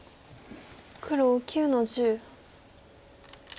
黒９の十。